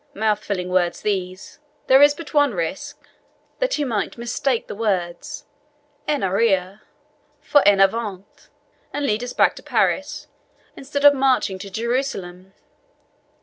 Mouth filling words these! There is but one risk that he might mistake the words EN ARRIERE for EN AVANT, and lead us back to Paris, instead of marching to Jerusalem.